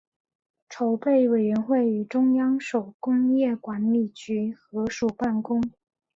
筹备委员会与中央手工业管理局合署办公。